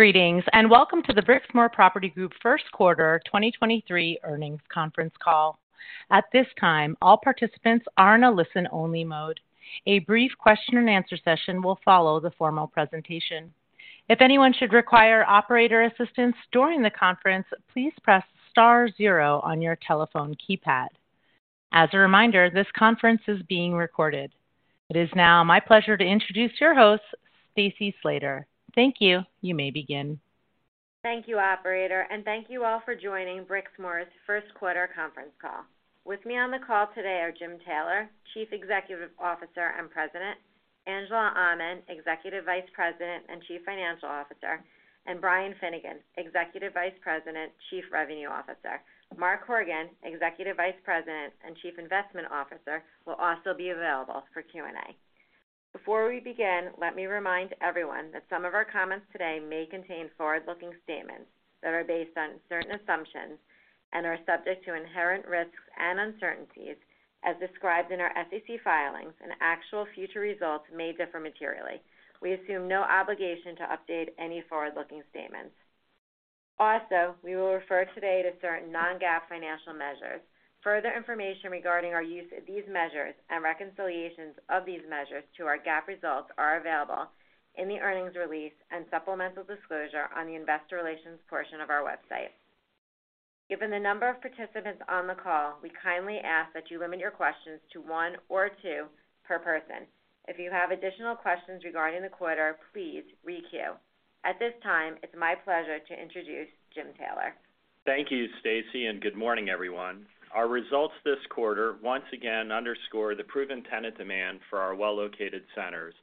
Greetings, welcome to the Brixmor Property Group first quarter 2023 earnings conference call. At this time, all participants are in a listen-only mode. A brief question-and-answer session will follow the formal presentation. If anyone should require operator assistance during the conference, please press star zero on your telephone keypad. As a reminder, this conference is being recorded. It is now my pleasure to introduce your host, Stacy Slater. Thank you. You may begin. Thank you, operator, and thank you all for joining Brixmor's first quarter conference call. With me on the call today are Jim Taylor, Chief Executive Officer and President, Angela Aman, Executive Vice President and Chief Financial Officer, and Brian Finnegan, Executive Vice President, Chief Revenue Officer. Mark Horgan, Executive Vice President and Chief Investment Officer will also be available for Q&A. Before we begin, let me remind everyone that some of our comments today may contain forward-looking statements that are based on certain assumptions and are subject to inherent risks and uncertainties as described in our SEC filings, and actual future results may differ materially. We assume no obligation to update any forward-looking statements. Also, we will refer today to certain non-GAAP financial measures. Further information regarding our use of these measures and reconciliations of these measures to our GAAP results are available in the earnings release and supplemental disclosure on the investor relations portion of our website. Given the number of participants on the call, we kindly ask that you limit your questions to one or two per person. If you have additional questions regarding the quarter, please re-queue. At this time, it's my pleasure to introduce Jim Taylor. Thank you, Stacy, and good morning, everyone. Our results this quarter once again underscore the proven tenant demand for our well-located centers,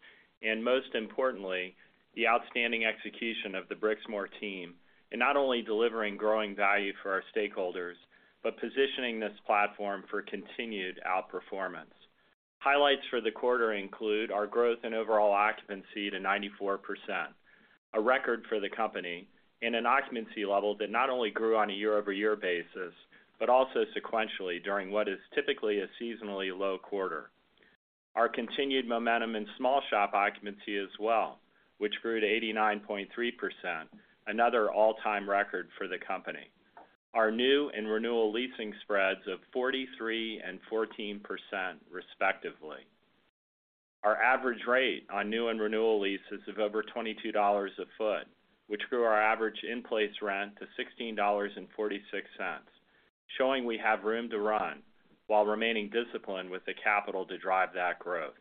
and most importantly, the outstanding execution of the Brixmor team in not only delivering growing value for our stakeholders, but positioning this platform for continued outperformance. Highlights for the quarter include our growth in overall occupancy to 94%, a record for the company, and an occupancy level that not only grew on a year-over-year basis, but also sequentially during what is typically a seasonally low quarter. Our continued momentum in small shop occupancy as well, which grew to 89.3%, another all-time record for the company. Our new and renewal leasing spreads of 43% and 14% respectively. Our average rate on new and renewal leases of over $22 a foot, which grew our average in-place rent to $16.46, showing we have room to run while remaining disciplined with the capital to drive that growth.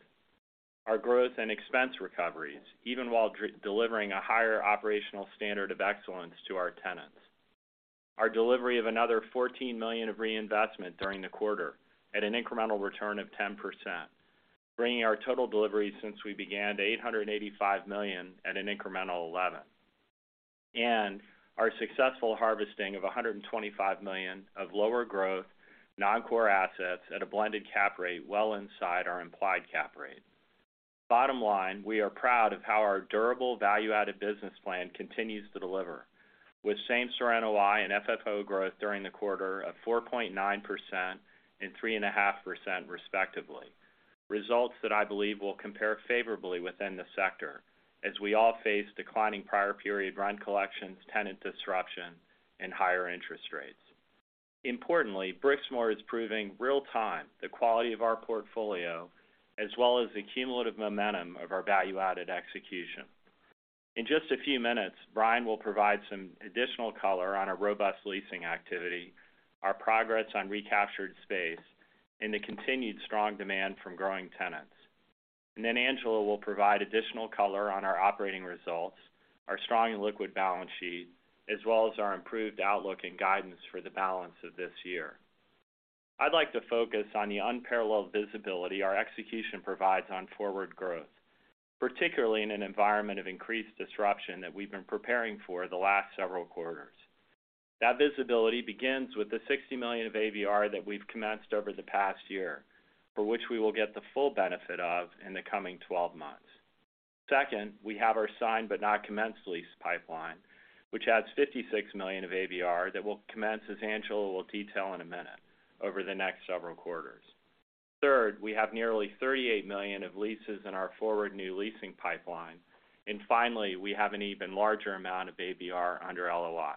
Our growth and expense recoveries, even while delivering a higher operational standard of excellence to our tenants. Our delivery of another $14 million of reinvestment during the quarter at an incremental return of 10%, bringing our total delivery since we began to $885 million at an incremental 11%. Our successful harvesting of $125 million of lower growth, non-core assets at a blended cap rate well inside our implied cap rate. Bottom line, we are proud of how our durable value-added business plan continues to deliver, with same-store NOI and FFO growth during the quarter of 4.9% and 3.5% respectively. Results that I believe will compare favorably within the sector as we all face declining prior period rent collections, tenant disruption, and higher interest rates. Importantly, Brixmor is proving real-time the quality of our portfolio, as well as the cumulative momentum of our value-added execution. In just a few minutes, Brian will provide some additional color on our robust leasing activity, our progress on recaptured space, and the continued strong demand from growing tenants. Angela will provide additional color on our operating results, our strong and liquid balance sheet, as well as our improved outlook and guidance for the balance of this year. I'd like to focus on the unparalleled visibility our execution provides on forward growth, particularly in an environment of increased disruption that we've been preparing for the last several quarters. That visibility begins with the $60 million of ABR that we've commenced over the past year, for which we will get the full benefit of in the coming 12 months. We have our signed but not commenced lease pipeline, which adds $56 million of ABR that will commence, as Angela will detail in a minute, over the next several quarters. We have nearly $38 million of leases in our forward new leasing pipeline. Finally, we have an even larger amount of ABR under LOI.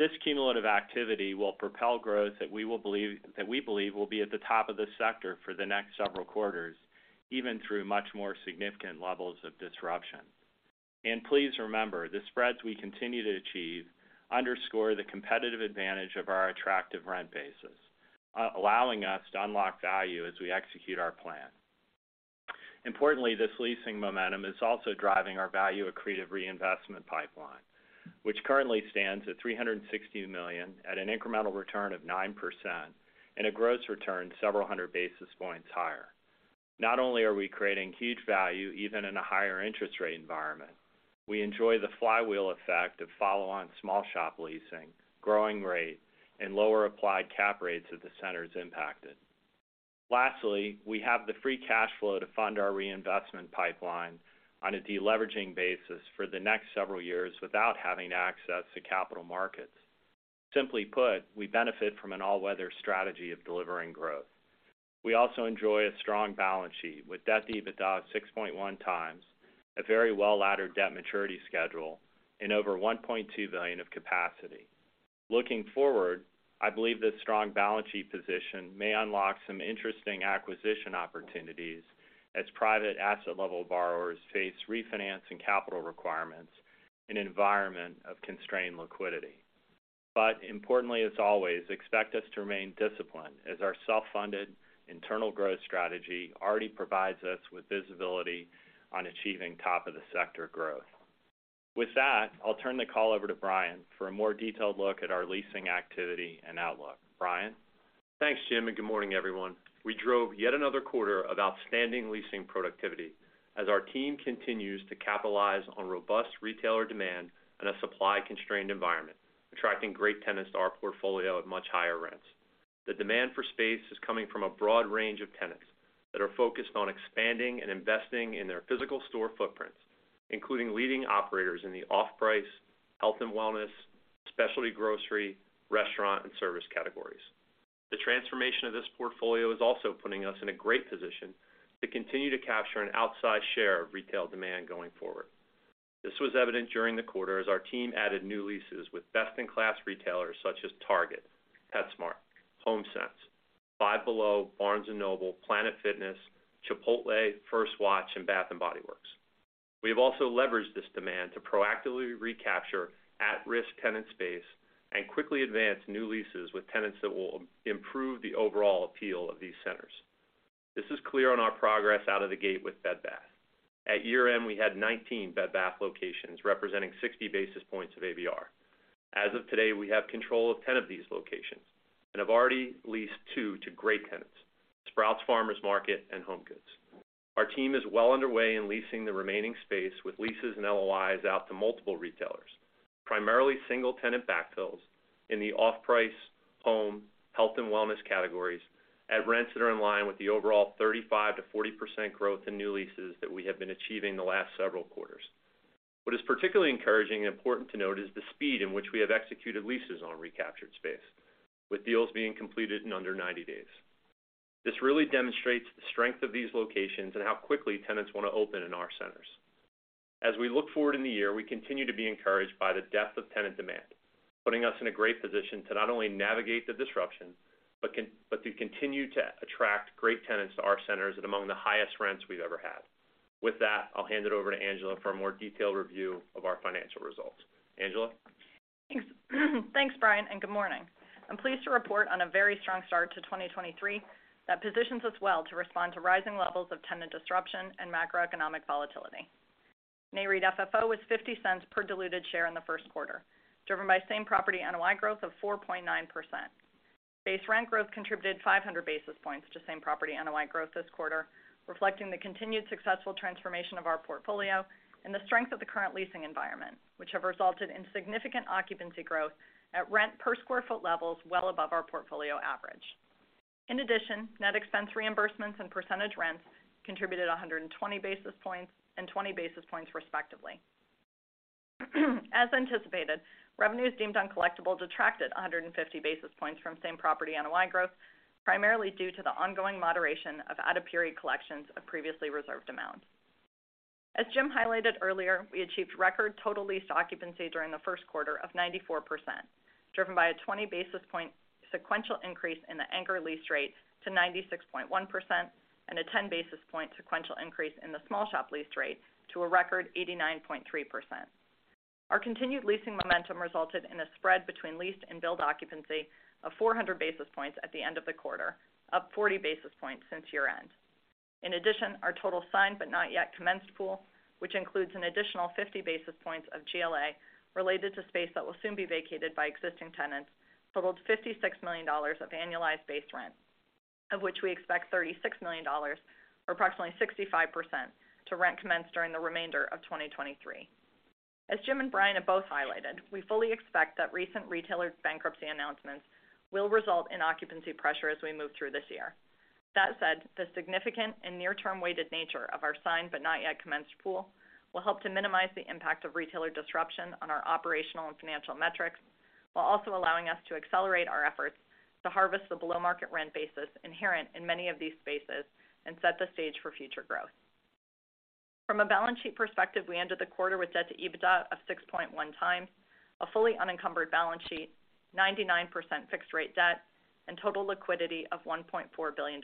This cumulative activity will propel growth that we believe will be at the top of the sector for the next several quarters, even through much more significant levels of disruption. Please remember, the spreads we continue to achieve underscore the competitive advantage of our attractive rent basis, allowing us to unlock value as we execute our plan. Importantly, this leasing momentum is also driving our value accretive reinvestment pipeline, which currently stands at $360 million at an incremental return of 9% and a gross return several hundred basis points higher. Not only are we creating huge value even in a higher interest rate environment, we enjoy the flywheel effect of follow-on small shop leasing, growing rate, and lower applied cap rates at the centers impacted. Lastly, we have the free cash flow to fund our reinvestment pipeline on a deleveraging basis for the next several years without having access to capital markets. Simply put, we benefit from an all-weather strategy of delivering growth. We also enjoy a strong balance sheet with debt to EBITDA of 6.1x, a very well-laddered debt maturity schedule and over $1.2 billion of capacity. Looking forward, I believe this strong balance sheet position may unlock some interesting acquisition opportunities as private asset level borrowers face refinancing capital requirements in an environment of constrained liquidity. Importantly, as always, expect us to remain disciplined as our self-funded internal growth strategy already provides us with visibility on achieving top of the sector growth. With that, I'll turn the call over to Brian for a more detailed look at our leasing activity and outlook. Brian? Thanks, Jim. Good morning, everyone. We drove yet another quarter of outstanding leasing productivity as our team continues to capitalize on robust retailer demand in a supply-constrained environment, attracting great tenants to our portfolio at much higher rents. The demand for space is coming from a broad range of tenants that are focused on expanding and investing in their physical store footprints, including leading operators in the off-price, health and wellness, specialty grocery, restaurant, and service categories. The transformation of this portfolio is also putting us in a great position to continue to capture an outsized share of retail demand going forward. This was evident during the quarter as our team added new leases with best-in-class retailers such as Target, PetSmart, Homesense, Five Below, Barnes & Noble, Planet Fitness, Chipotle, First Watch, and Bath & Body Works. We have also leveraged this demand to proactively recapture at-risk tenant space and quickly advance new leases with tenants that will improve the overall appeal of these centers. This is clear on our progress out of the gate with Bed Bath. At year-end, we had 19 Bed Bath locations representing 60 basis points of ABR. As of today, we have control of 10 of these locations and have already leased two to great tenants, Sprouts Farmers Market and HomeGoods. Our team is well underway in leasing the remaining space with leases and LOIs out to multiple retailers, primarily single-tenant backfills in the off-price, home, health and wellness categories at rents that are in line with the overall 35%-40% growth in new leases that we have been achieving the last several quarters. What is particularly encouraging and important to note is the speed in which we have executed leases on recaptured space, with deals being completed in under 90 days. This really demonstrates the strength of these locations and how quickly tenants want to open in our centers. As we look forward in the year, we continue to be encouraged by the depth of tenant demand, putting us in a great position to not only navigate the disruption, but to continue to attract great tenants to our centers at among the highest rents we've ever had. With that, I'll hand it over to Angela for a more detailed review of our financial results. Angela? Thanks. Thanks, Brian. Good morning. I'm pleased to report on a very strong start to 2023 that positions us well to respond to rising levels of tenant disruption and macroeconomic volatility. NAREIT FFO was $0.50 per diluted share in the first quarter, driven by same-property NOI growth of 4.9%. Base rent growth contributed 500 basis points to same-property NOI growth this quarter, reflecting the continued successful transformation of our portfolio and the strength of the current leasing environment, which have resulted in significant occupancy growth at rent per square foot levels well above our portfolio average. In addition, net expense reimbursements and percentage rents contributed 120 basis points and 20 basis points, respectively. As anticipated, revenues deemed uncollectible detracted 150 basis points from same-property NOI growth, primarily due to the ongoing moderation of out-of-period collections of previously reserved amounts. As Jim highlighted earlier, we achieved record total leased occupancy during the first quarter of 94%, driven by a 20 basis point sequential increase in the anchor lease rate to 96.1% and a 10 basis point sequential increase in the small shop lease rate to a record 89.3%. Our continued leasing momentum resulted in a spread between leased and build occupancy of 400 basis points at the end of the quarter, up 40 basis points since year-end. Our total signed but not yet commenced pool, which includes an additional 50 basis points of GLA related to space that will soon be vacated by existing tenants, totaled $56 million of annualized base rent, of which we expect $36 million or approximately 65% to rent commenced during the remainder of 2023. As Jim and Brian have both highlighted, we fully expect that recent retailer bankruptcy announcements will result in occupancy pressure as we move through this year. The significant and near-term weighted nature of our signed but not yet commenced pool will help to minimize the impact of retailer disruption on our operational and financial metrics while also allowing us to accelerate our efforts to harvest the below-market rent basis inherent in many of these spaces and set the stage for future growth. From a balance sheet perspective, we ended the quarter with debt to EBITDA of 6.1x, a fully unencumbered balance sheet, 99% fixed rate debt, and total liquidity of $1.4 billion.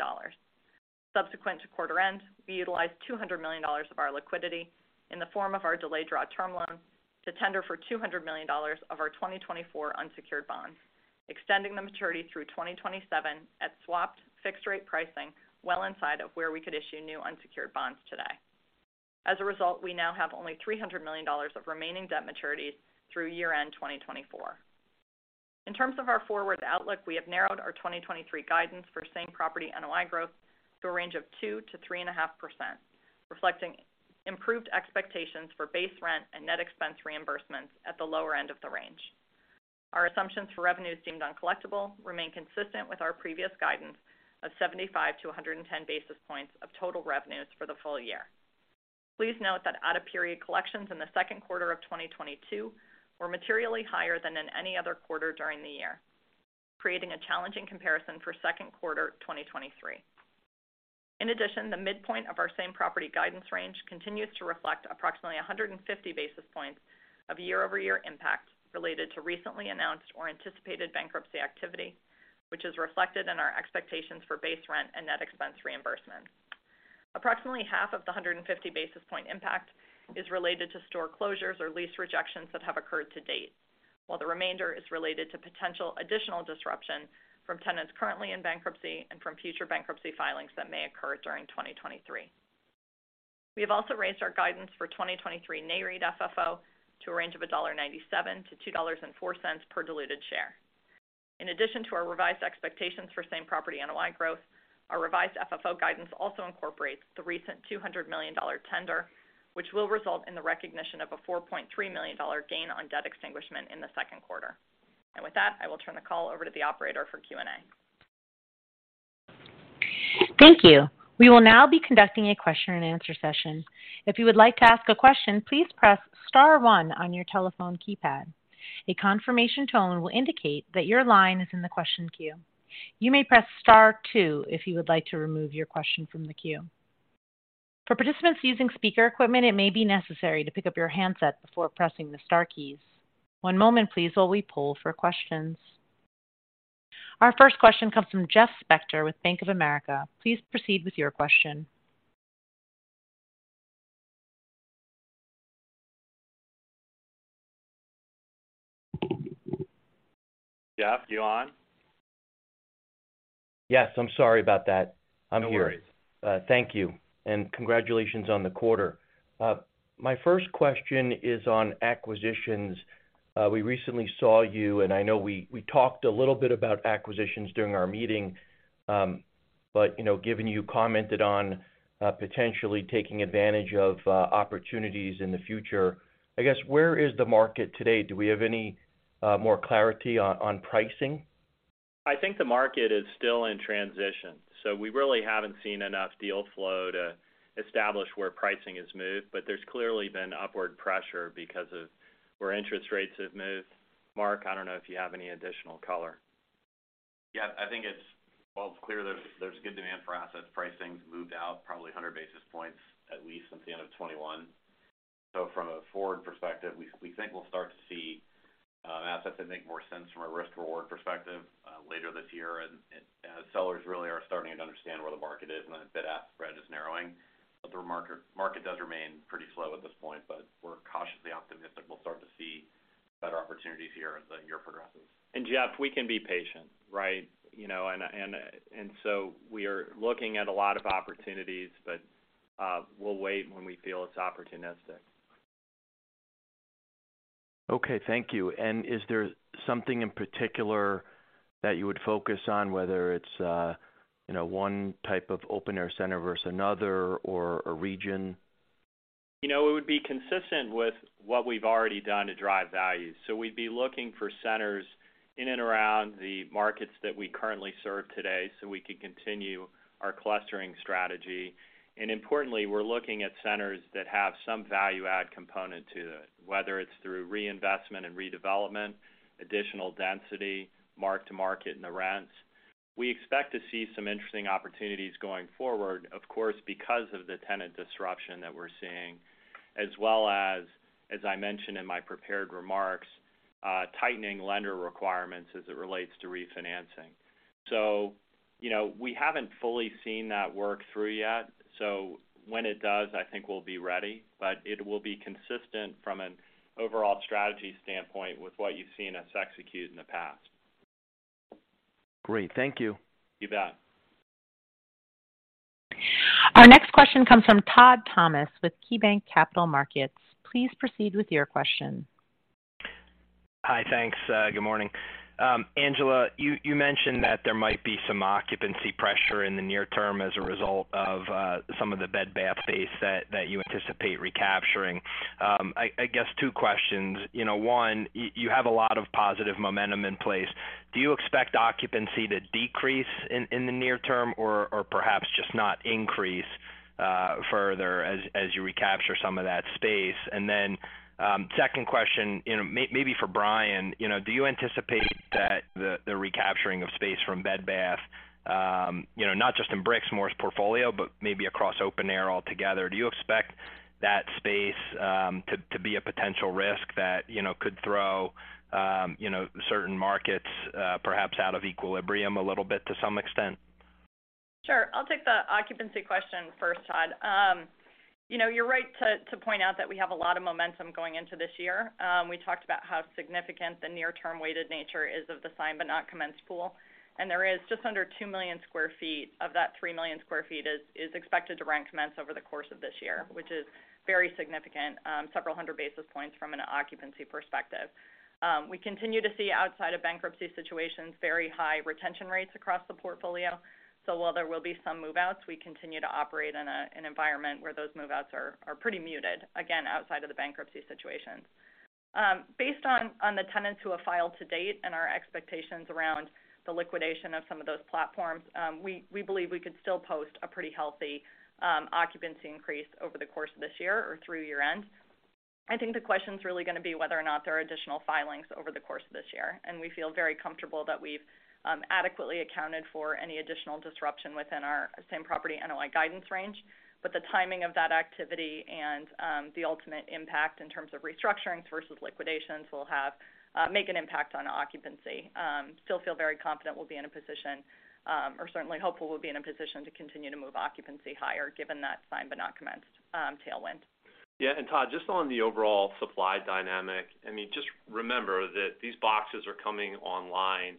Subsequent to quarter end, we utilized $200 million of our liquidity in the form of our delayed draw term loan to tender for $200 million of our 2024 unsecured bonds, extending the maturity through 2027 at swapped fixed rate pricing well inside of where we could issue new unsecured bonds today. As a result, we now have only $300 million of remaining debt maturities through year-end 2024. In terms of our forward outlook, we have narrowed our 2023 guidance for same property NOI growth to a range of 2%-3.5%, reflecting improved expectations for base rent and net expense reimbursements at the lower end of the range. Our assumptions for revenues deemed uncollectible remain consistent with our previous guidance of 75-110 basis points of total revenues for the full-year. please note that out-of-period collections in the second quarter of 2022 were materially higher than in any other quarter during the year, creating a challenging comparison for second quarter 2023. The midpoint of our same-property guidance range continues to reflect approximately 150 basis points of year-over-year impact related to recently announced or anticipated bankruptcy activity, which is reflected in our expectations for base rent and net expense reimbursement. Approximately half of the 150 basis point impact is related to store closures or lease rejections that have occurred to date, while the remainder is related to potential additional disruption from tenants currently in bankruptcy and from future bankruptcy filings that may occur during 2023. We have also raised our guidance for 2023 NAREIT FFO to a range of $1.97-$2.04 per diluted share. In addition to our revised expectations for same-property NOI growth, our revised FFO guidance also incorporates the recent $200 million tender, which will result in the recognition of a $4.3 million gain on debt extinguishment in the second quarter. With that, I will turn the call over to the operator for Q&A. Thank you. We will now be conducting a question-and-answer session. If you would like to ask a question, please press star one on your telephone keypad. A confirmation tone will indicate that your line is in the question queue. You may press star two if you would like to remove your question from the queue. For participants using speaker equipment, it may be necessary to pick up your handset before pressing the star keys. One moment please while we poll for questions. Our first question comes from Jeff Spector with Bank of America. Please proceed with your question. Jeff, you on? Yes, I'm sorry about that. No worries. I'm here. Thank you, and congratulations on the quarter. My first question is on acquisitions. We recently saw you, and I know we talked a little bit about acquisitions during our meeting. You know, given you commented on potentially taking advantage of opportunities in the future, I guess, where is the market today? Do we have any more clarity on pricing? I think the market is still in transition, so we really haven't seen enough deal flow to establish where pricing has moved. There's clearly been upward pressure because of where interest rates have moved. Mark, I don't know if you have any additional color. Yeah, I think well, it's clear there's good demand for assets. Pricing's moved out probably 100 basis points at least since the end of 2021. From a forward perspective, we think we'll start to see assets that make more sense from a risk-reward perspective later this year. As sellers really are starting to understand where the market is and the bid-ask spread is narrowing. The market does remain pretty slow at this point, but we're cautiously optimistic we'll start to see better opportunities here as the year progresses. Jeff, we can be patient, right? You know, we are looking at a lot of opportunities, we'll wait when we feel it's opportunistic. Okay. Thank you. Is there something in particular that you would focus on, whether it's, you know, one type of open-air center versus another or a region? You know, it would be consistent with what we've already done to drive value. We'd be looking for centers in and around the markets that we currently serve today, so we can continue our clustering strategy. Importantly, we're looking at centers that have some value add component to it, whether it's through reinvestment and redevelopment, additional density, mark-to-market in the rents. We expect to see some interesting opportunities going forward, of course, because of the tenant disruption that we're seeing, as well as I mentioned in my prepared remarks, tightening lender requirements as it relates to refinancing. You know, we haven't fully seen that work through yet, so when it does, I think we'll be ready. It will be consistent from an overall strategy standpoint with what you've seen us execute in the past. Great. Thank you. You bet. Our next question comes from Todd Thomas with KeyBanc Capital Markets. Please proceed with your question. Hi. Thanks. Good morning. Angela, you mentioned that there might be some occupancy pressure in the near term as a result of some of the Bed Bath space that you anticipate recapturing. I guess two questions. You know, one, you have a lot of positive momentum in place. Do you expect occupancy to decrease in the near term or perhaps just not increase further as you recapture some of that space? Second question, you know, maybe for Brian, you know, do you anticipate that the recapturing of space from Bed Bath, you know, not just in Brixmor's portfolio, but maybe across open-air altogether, do you expect that space to be a potential risk that, you know, could throw, you know, certain markets, perhaps out of equilibrium a little bit to some extent? Sure. I'll take the occupancy question first, Todd. You know, you're right to point out that we have a lot of momentum going into this year. We talked about how significant the near-term weighted nature is of the signed but not commenced pool. There is just under $2 million sq ft of that $3 million sq ft is expected to rent commence over the course of this year, which is very significant, several hundred basis points from an occupancy perspective. We continue to see outside of bankruptcy situations, very high retention rates across the portfolio. While there will be some move-outs, we continue to operate in an environment where those move-outs are pretty muted, again, outside of the bankruptcy situations. Based on the tenants who have filed to date and our expectations around the liquidation of some of those platforms, we believe we could still post a pretty healthy occupancy increase over the course of this year or through year-end. I think the question's really gonna be whether or not there are additional filings over the course of this year. We feel very comfortable that we've adequately accounted for any additional disruption within our same-property NOI guidance range. The timing of that activity and the ultimate impact in terms of restructurings versus liquidations will make an impact on occupancy. Still feel very confident we'll be in a position or certainly hopeful we'll be in a position to continue to move occupancy higher given that signed but not commenced tailwind. Yeah. Todd, just on the overall supply dynamic, I mean, just remember that these boxes are coming online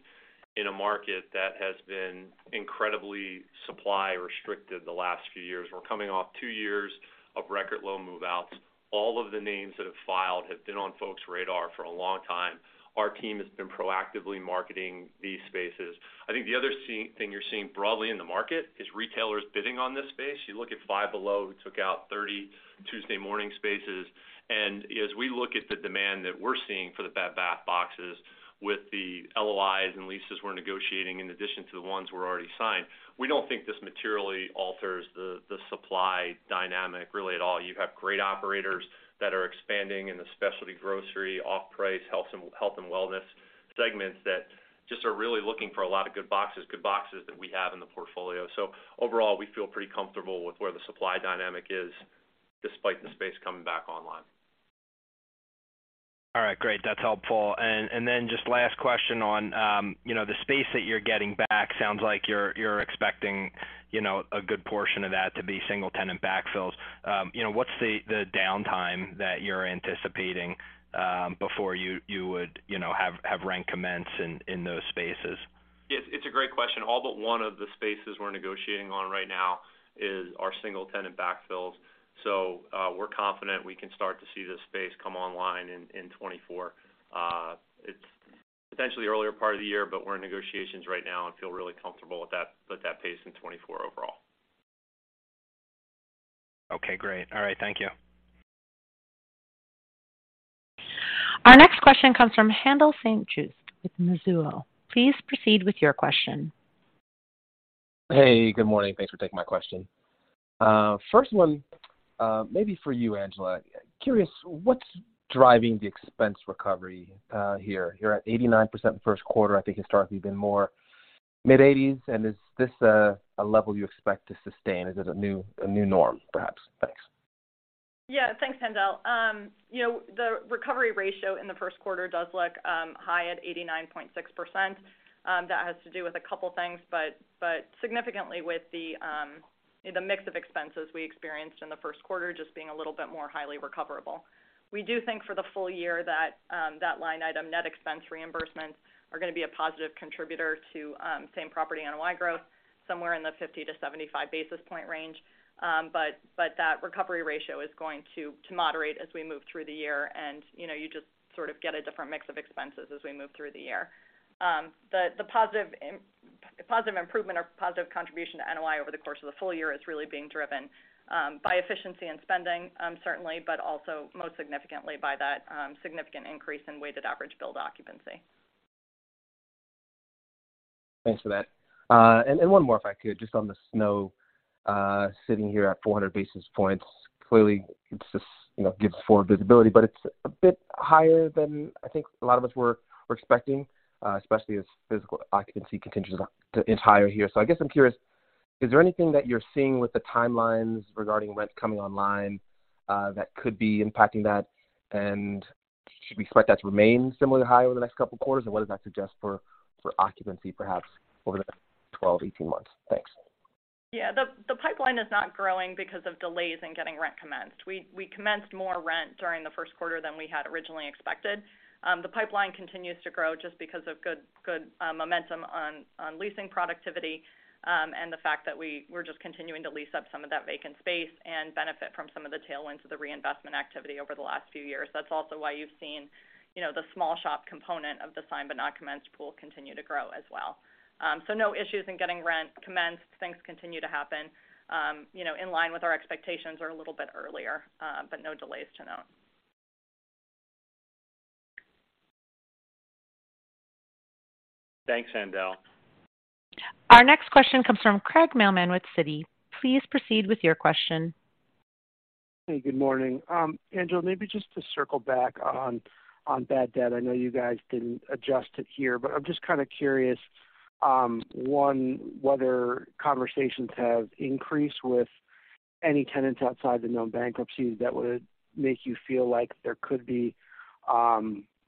in a market that has been incredibly supply restricted the last few years. We're coming off two years of record low move-outs. All of the names that have filed have been on folks' radar for a long time. Our team has been proactively marketing these spaces. I think the other thing you're seeing broadly in the market is retailers bidding on this space. You look at Five Below, who took out 30 Tuesday Morning spaces. As we look at the demand that we're seeing for the Bed Bath boxes with the LOIs and leases we're negotiating in addition to the ones we're already signed, we don't think this materially alters the supply dynamic really at all. You have great operators that are expanding in the specialty grocery, off-price, health and wellness segments that just are really looking for a lot of good boxes that we have in the portfolio. Overall, we feel pretty comfortable with where the supply dynamic is despite the space coming back online. All right. Great. That's helpful. Just last question on, you know, the space that you're getting back sounds like you're expecting, you know, a good portion of that to be single tenant backfills. You know, what's the downtime that you're anticipating, before you would, you know, have rent commence in those spaces? Yes, it's a great question. All but one of the spaces we're negotiating on right now are single tenant backfills. We're confident we can start to see this space come online in 2024. It's potentially earlier part of the year, we're in negotiations right now and feel really comfortable with that pace in 2024 overall. Okay, great. All right. Thank you. Our next question comes from Haendel St. Juste with Mizuho. Please proceed with your question. Hey, good morning. Thanks for taking my question. First one, maybe for you, Angela. Curious, what's driving the expense recovery here? You're at 89% the first quarter, I think historically been more mid-80s. Is this, a level you expect to sustain? Is it a new norm, perhaps? Thanks. Yeah. Thanks, Haendel. you know, the recovery ratio in the first quarter does look high at 89.6%. That has to do with a couple things, significantly with the mix of expenses we experienced in the first quarter just being a little bit more highly recoverable. We do think for the full-year that line item net expense reimbursements are gonna be a positive contributor to same-property NOI growth, somewhere in the 50-75 basis point range. That recovery ratio is going to moderate as we move through the year. you know, you just sort of get a different mix of expenses as we move through the year. The positive improvement or positive contribution to NOI over the course of the full-year is really being driven by efficiency in spending, certainly, but also most significantly by that significant increase in weighted average build occupancy. Thanks for that. One more if I could, just on the SNO, sitting here at 400 basis points. Clearly, it's just, you know, gives forward visibility, but it's a bit higher than I think a lot of us were expecting, especially as physical occupancy continues to inch higher here. I guess I'm curious, is there anything that you're seeing with the timelines regarding rents coming online that could be impacting that? Should we expect that to remain similarly high over the next couple of quarters? What does that suggest for occupancy perhaps over the next 12-18 months? Thanks. The pipeline is not growing because of delays in getting rent commenced. We commenced more rent during the first quarter than we had originally expected. The pipeline continues to grow just because of good momentum on leasing productivity and the fact that we're just continuing to lease up some of that vacant space and benefit from some of the tailwinds of the reinvestment activity over the last few years. That's also why you've seen, you know, the small shop component of the signed but not commenced pool continue to grow as well. No issues in getting rent commenced. Things continue to happen, you know, in line with our expectations or a little bit earlier, no delays to note. Thanks, Handel. Our next question comes from Craig Mailman with Citi. Please proceed with your question. Hey, good morning. Angela, maybe just to circle back on bad debt. I know you guys didn't adjust it here, but I'm just kind of curious, one, whether conversations have increased with any tenants outside the known bankruptcies that would make you feel like there could be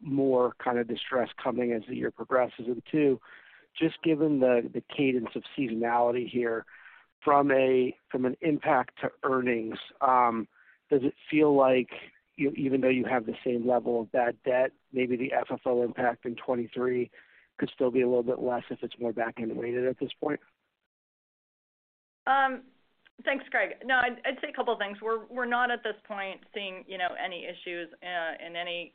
more kind of distress coming as the year progresses. Two, just given the cadence of seasonality here, from an impact to earnings, does it feel like even though you have the same level of bad debt, maybe the FFO impact in 23 could still be a little bit less if it's more back-end weighted at this point? Thanks, Craig. No, I'd say a couple of things. We're not at this point seeing, you know, any issues in any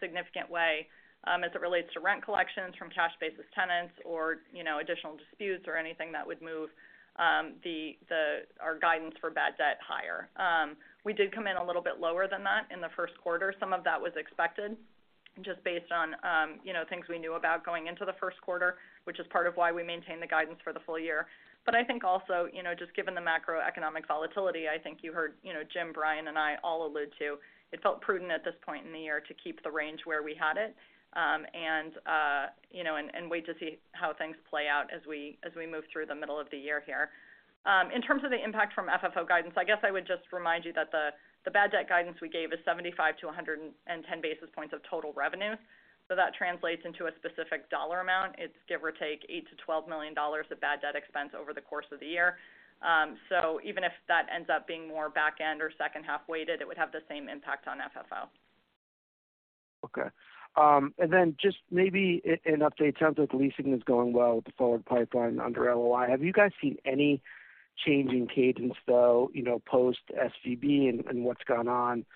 significant way as it relates to rent collections from cash-basis tenants or, you know, additional disputes or anything that would move our guidance for bad debt higher. We did come in a little bit lower than that in the first quarter. Some of that was expected, just based on, you know, things we knew about going into the first quarter, which is part of why we maintain the guidance for the full-year. I think also, you know, just given the macroeconomic volatility, I think you heard, you know, Jim, Brian, and I all allude to, it felt prudent at this point in the year to keep the range where we had it, and, you know, wait to see how things play out as we, as we move through the middle of the year here. In terms of the impact from FFO guidance, I guess I would just remind you that the bad debt guidance we gave is 75-110 basis points of total revenue. That translates into a specific dollar amount. It's give or take $8 million-$12 million of bad debt expense over the course of the year. Even if that ends up being more back-end or second-half weighted, it would have the same impact on FFO. Okay. Just maybe an update. Sounds like the leasing is going well with the forward pipeline under LOI. Have you guys seen any change in cadence, though, you know, post SVB and what's gone on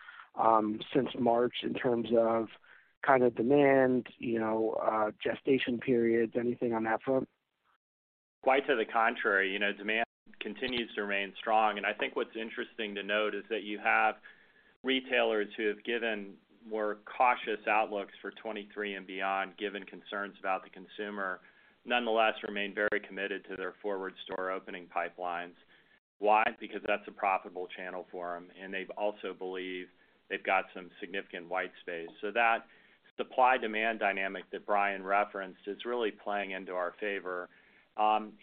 since March in terms of kind of demand, you know, gestation periods, anything on that front? Quite to the contrary, you know, demand continues to remain strong. I think what's interesting to note is that you have retailers who have given more cautious outlooks for 23 and beyond, given concerns about the consumer, nonetheless remain very committed to their forward store opening pipelines. Why? Because that's a profitable channel for them, and they've also believed they've got some significant white space. That supply-demand dynamic that Brian referenced is really playing into our favor.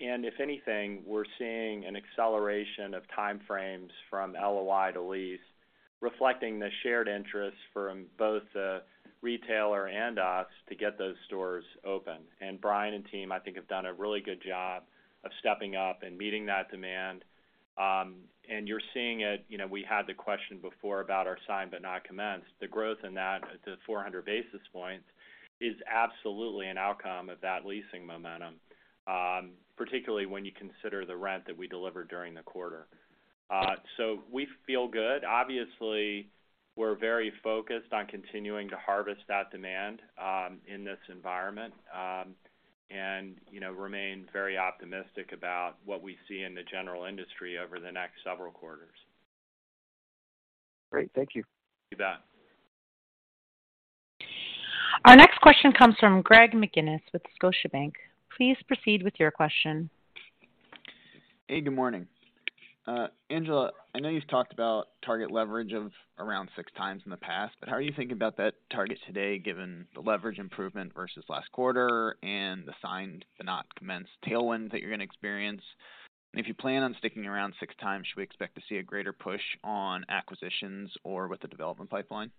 If anything, we're seeing an acceleration of time frames from LOI to lease, reflecting the shared interest from both the retailer and us to get those stores open. Brian and team, I think, have done a really good job of stepping up and meeting that demand. You're seeing it, you know, we had the question before about our signed but not commenced. The growth in that, the 400 basis points, is absolutely an outcome of that leasing momentum, particularly when you consider the rent that we delivered during the quarter. We feel good. Obviously, we're very focused on continuing to harvest that demand, in this environment, you know, remain very optimistic about what we see in the general industry over the next several quarters. Great. Thank you. You bet. Our next question comes from Greg McGinniss with Scotiabank. Please proceed with your question. Hey, good morning. Angela, I know you've talked about target leverage of around 6 times in the past, but how are you thinking about that target today, given the leverage improvement versus last quarter and the signed but not commenced tailwind that you're gonna experience? If you plan on sticking around 6 times, should we expect to see a greater push on acquisitions or with the development pipeline?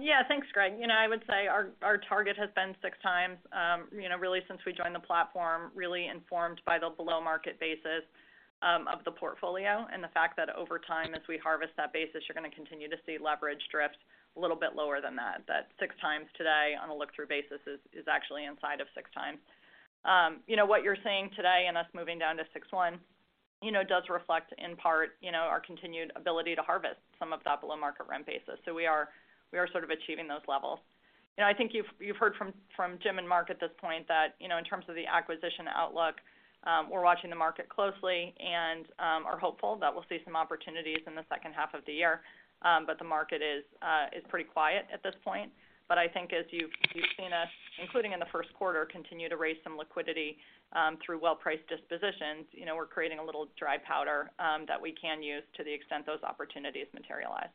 Yeah. Thanks, Greg. You know, I would say our target has been 6x, you know, really since we joined the platform, really informed by the below-market basis of the portfolio and the fact that over time, as we harvest that basis, you're gonna continue to see leverage drift a little bit lower than that. That 6x today on a look-through basis is actually inside of 6x. You know, what you're seeing today and us moving down to 6.1x, you know, does reflect in part, you know, our continued ability to harvest some of that below-market rent basis. We are sort of achieving those levels. You know, I think you've heard from Jim and Mark at this point that, you know, in terms of the acquisition outlook, we're watching the market closely and are hopeful that we'll see some opportunities in the second half of the year. The market is pretty quiet at this point. I think as you've seen us, including in the first quarter, continue to raise some liquidity through well-priced dispositions, you know, we're creating a little dry powder that we can use to the extent those opportunities materialize.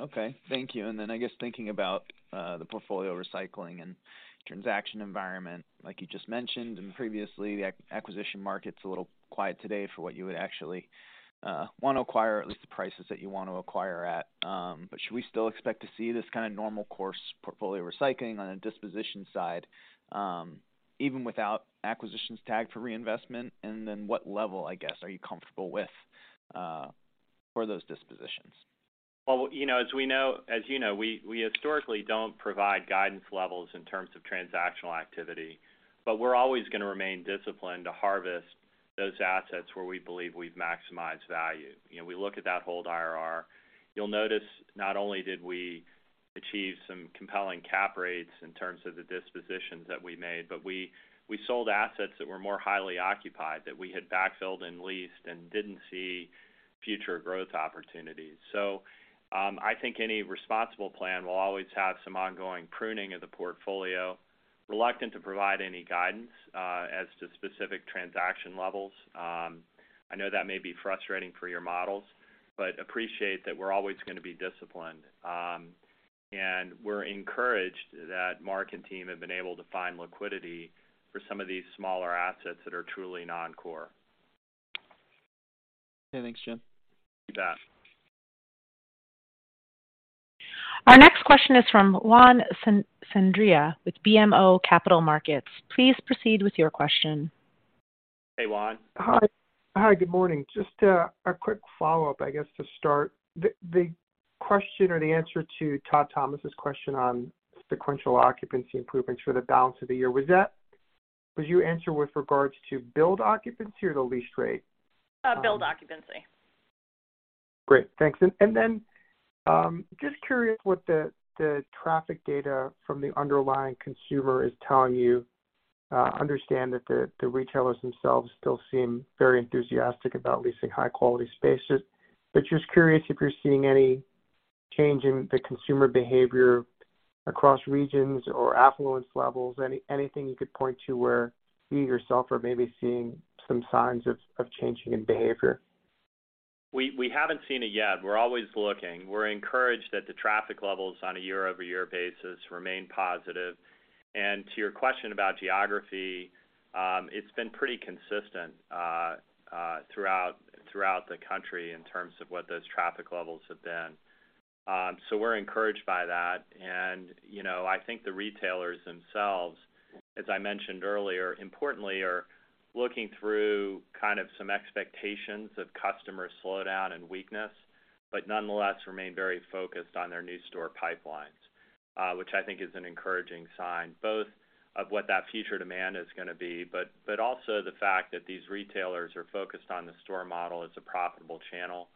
Okay, thank you. I guess thinking about the portfolio recycling and transaction environment, like you just mentioned and previously, the acquisition market's a little quiet today for what you would actually want to acquire, at least the prices that you want to acquire at. Should we still expect to see this kind of normal course portfolio recycling on a disposition side, even without acquisitions tagged for reinvestment? What level, I guess, are you comfortable with for those dispositions? You know, as you know, we historically don't provide guidance levels in terms of transactional activity, but we're always gonna remain disciplined to harvest those assets where we believe we've maximized value. You know, we look at that whole IRR. You'll notice not only did we achieve some compelling cap rates in terms of the dispositions that we made, but we sold assets that were more highly occupied, that we had backfilled and leased and didn't see future growth opportunities. I think any responsible plan will always have some ongoing pruning of the portfolio, reluctant to provide any guidance as to specific transaction levels. I know that may be frustrating for your models, but appreciate that we're always gonna be disciplined. We're encouraged that Mark and team have been able to find liquidity for some of these smaller assets that are truly non-core. Okay. Thanks, Jim. You bet. Our next question is from Juan Sanabria with BMO Capital Markets. Please proceed with your question. Hey, Juan. Hi, good morning. Just a quick follow-up, I guess, to start. The question or the answer to Todd Thomas' question on sequential occupancy improvements for the balance of the year, was your answer with regards to build occupancy or the lease rate? Build occupancy. Great. Thanks. Then, just curious what the traffic data from the underlying consumer is telling you. Understand that the retailers themselves still seem very enthusiastic about leasing high quality spaces. Just curious if you're seeing any change in the consumer behavior across regions or affluence levels. Anything you could point to where you yourself are maybe seeing some signs of changing in behavior. We haven't seen it yet. We're always looking. We're encouraged that the traffic levels on a year-over-year basis remain positive. To your question about geography, it's been pretty consistent throughout the country in terms of what those traffic levels have been. We're encouraged by that. You know, I think the retailers themselves, as I mentioned earlier, importantly, are looking through kind of some expectations of customer slowdown and weakness, but nonetheless remain very focused on their new store pipelines, which I think is an encouraging sign, both of what that future demand is gonna be, but also the fact that these retailers are focused on the store model as a profitable channel.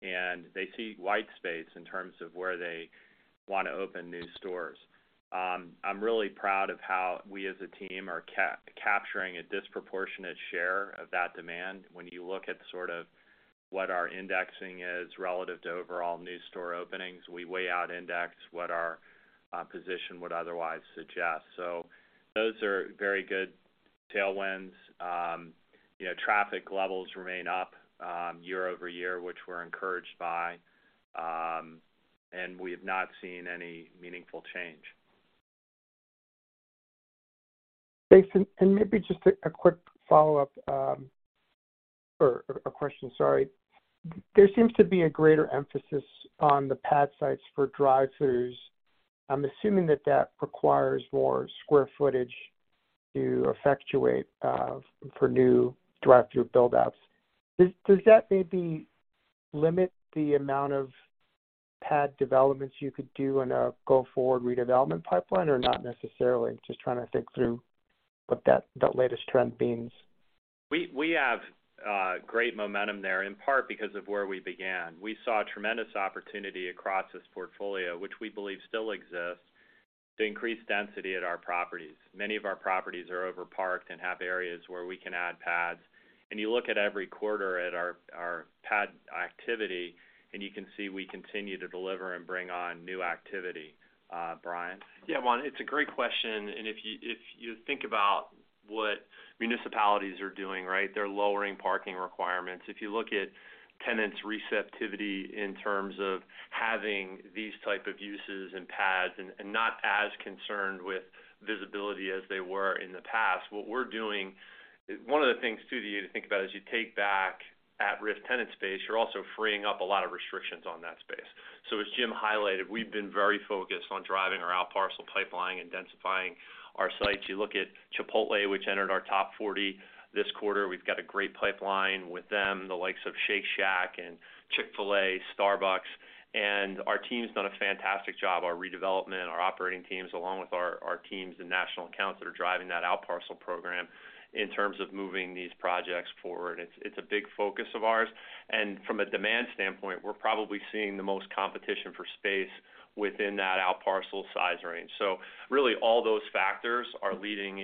They see white space in terms of where they wanna open new stores. I'm really proud of how we as a team are capturing a disproportionate share of that demand. When you look at sort of what our indexing is relative to overall new store openings, we way out index what our position would otherwise suggest. Those are very good tailwinds. You know, traffic levels remain up year-over-year, which we're encouraged by, and we have not seen any meaningful change. Jason, maybe just a quick follow-up, or a question, sorry. There seems to be a greater emphasis on the pad sites for drive-throughs. I'm assuming that that requires more square footage to effectuate for new drive-through buildouts. Does that maybe limit the amount of pad developments you could do in a go-forward redevelopment pipeline, or not necessarily? Just trying to think through what that latest trend means. We have great momentum there, in part because of where we began. We saw a tremendous opportunity across this portfolio, which we believe still exists, to increase density at our properties. Many of our properties are over-parked and have areas where we can add pads. You look at every quarter at our pad activity, and you can see we continue to deliver and bring on new activity. Brian? Yeah, Juan, it's a great question. If you think about what municipalities are doing, right, they're lowering parking requirements. If you look at tenants' receptivity in terms of having these type of uses and pads, and not as concerned with visibility as they were in the past, one of the things too, to think about, as you take back at-risk tenant space, you're also freeing up a lot of restrictions on that space. As Jim highlighted, we've been very focused on driving our out-parcel pipeline and densifying our sites. You look at Chipotle, which entered our top 40 this quarter, we've got a great pipeline with them, the likes of Shake Shack and Chick-fil-A, Starbucks. Our team's done a fantastic job, our redevelopment, our operating teams, along with our teams in national accounts that are driving that out-parcel program in terms of moving these projects forward. It's a big focus of ours. From a demand standpoint, we're probably seeing the most competition for space within that out-parcel size range. Really all those factors are leading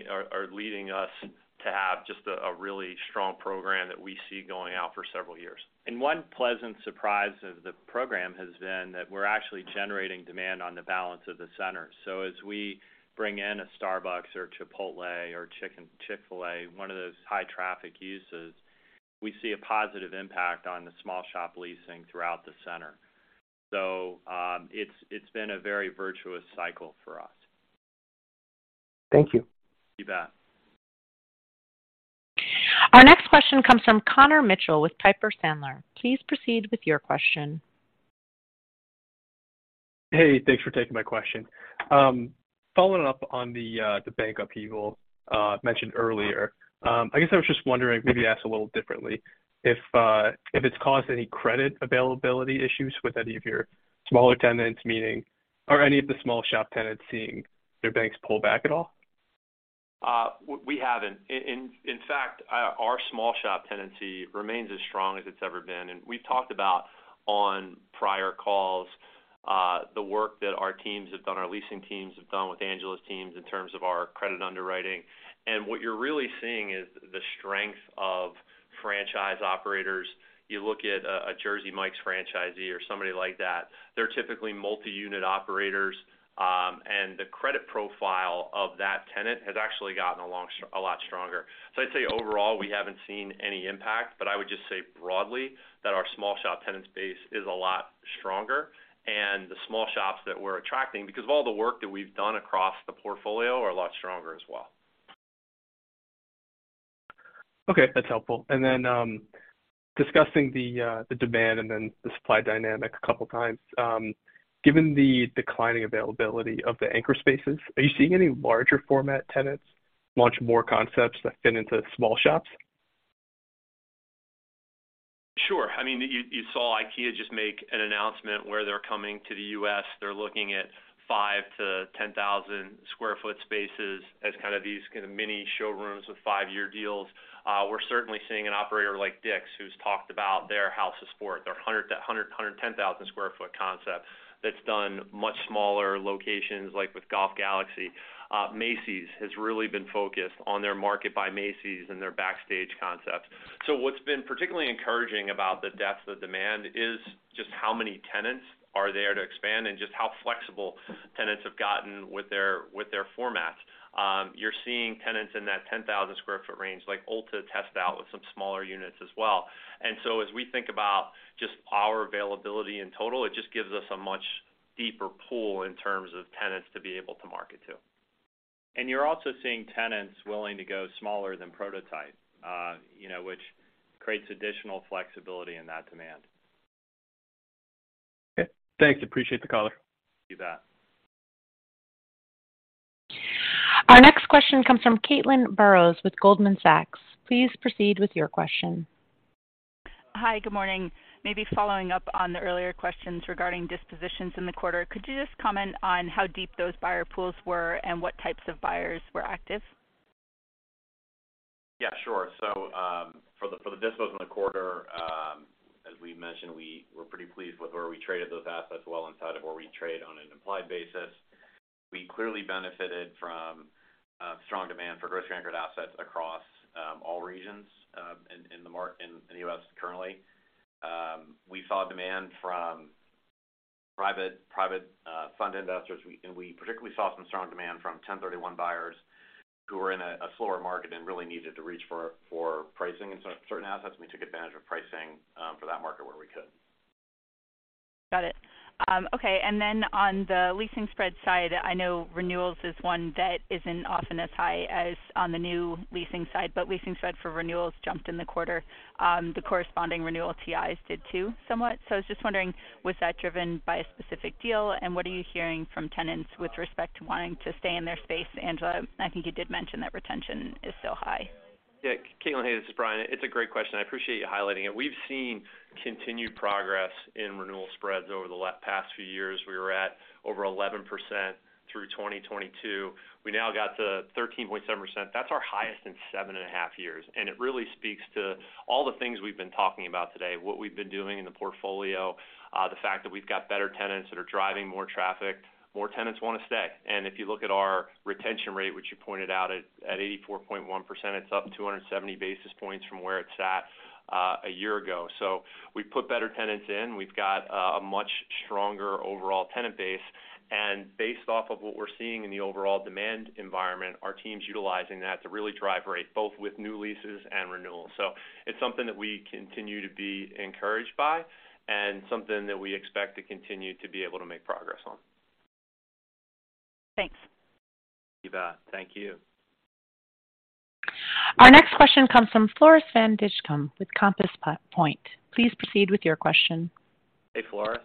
us to have just a really strong program that we see going out for several years. One pleasant surprise of the program has been that we're actually generating demand on the balance of the center. As we bring in a Starbucks or Chipotle or Chick-fil-A, one of those high-traffic uses, we see a positive impact on the small shop leasing throughout the center. It's been a very virtuous cycle for us. Thank you. You bet. Our next question comes from Connor Mitchell with Piper Sandler. Please proceed with your question. Hey, thanks for taking my question. Following up on the bank upheaval mentioned earlier, I guess I was just wondering, maybe asked a little differently, if it's caused any credit availability issues with any of your smaller tenants, meaning are any of the small shop tenants seeing their banks pull back at all? We haven't. In fact, our small shop tenancy remains as strong as it's ever been. We've talked about on prior calls, the work that our teams have done, our leasing teams have done with Angela's teams in terms of our credit underwriting. What you're really seeing is the strength of franchise operators. You look at a Jersey Mike's franchisee or somebody like that, they're typically multi-unit operators, and the credit profile of that tenant has actually gotten a lot stronger. I'd say overall, we haven't seen any impact, I would just say broadly, that our small shop tenant space is a lot stronger, and the small shops that we're attracting, because of all the work that we've done across the portfolio, are a lot stronger as well. Okay, that's helpful. Discussing the demand and then the supply dynamic a couple times, given the declining availability of the anchor spaces, are you seeing any larger format tenants launch more concepts that fit into small shops? Sure. I mean, you saw IKEA just make an announcement where they're coming to the U.S. They're looking at 5,000-10,000 sq ft spaces as kind of these kinda mini showrooms with five-year deals. We're certainly seeing an operator like DICK'S, who's talked about their House of Sport, their 100,000-110,000 sq ft concept that's done much smaller-Locations like with Golf Galaxy. Macy's has really been focused on their Market by Macy's and their Backstage concepts. What's been particularly encouraging about the depth of demand is just how many tenants are there to expand and just how flexible tenants have gotten with their format. You're seeing tenants in that 10,000 sq ft range, like Ulta test out with some smaller units as well. As we think about just our availability in total, it just gives us a much deeper pool in terms of tenants to be able to market to. You're also seeing tenants willing to go smaller than prototype, you know, which creates additional flexibility in that demand. Okay. Thanks. Appreciate the color. You bet. Our next question comes from Caitlin Burrows with Goldman Sachs. Please proceed with your question. Hi, good morning. Maybe following up on the earlier questions regarding dispositions in the quarter. Could you just comment on how deep those buyer pools were and what types of buyers were active? Yeah, sure. For the dispos in the quarter, as we mentioned, we were pretty pleased with where we traded those assets well inside of where we trade on an implied basis. We clearly benefited from strong demand for grocery anchored assets across all regions in the U.S. currently. We saw demand from private fund investors. We particularly saw some strong demand from 1031 buyers who were in a slower market and really needed to reach for pricing. In certain assets, we took advantage of pricing for that market where we could. Got it. Okay. On the leasing spread side, I know renewals is one that isn't often as high as on the new leasing side, but leasing spread for renewals jumped in the quarter. The corresponding renewal TIs did too, somewhat. I was just wondering, was that driven by a specific deal? What are you hearing from tenants with respect to wanting to stay in their space? Angela, I think you did mention that retention is so high. Yeah. Caitlin, hey, this is Brian. It's a great question. I appreciate you highlighting it. We've seen continued progress in renewal spreads over the past few years. We were at over 11% through 2022. We now got to 13.7%. That's our highest in 7.5 years. It really speaks to all the things we've been talking about today, what we've been doing in the portfolio, the fact that we've got better tenants that are driving more traffic, more tenants wanna stay. If you look at our retention rate, which you pointed out at 84.1%, it's up 270 basis points from where it sat a year ago. We put better tenants in. We've got a much stronger overall tenant base. Based off of what we're seeing in the overall demand environment, our team's utilizing that to really drive rate, both with new leases and renewals. It's something that we continue to be encouraged by and something that we expect to continue to be able to make progress on. Thanks. You bet. Thank you. Our next question comes from Floris van Dijkum with Compass Point. Please proceed with your question. Hey, Floris.